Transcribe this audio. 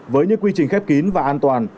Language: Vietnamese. với những quy trình khép kín và an toàn